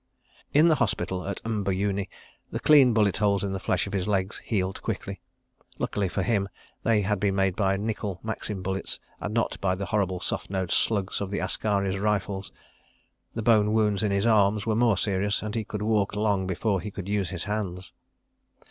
... §3 In the hospital at M'buyuni the clean bullet holes in the flesh of his legs healed quickly. Lucky for him that they had been made by nickel Maxim bullets and not by the horrible soft nosed slugs of the askaris' rifles. The bone wounds in his arms were more serious, and he could walk long before he could use his hands.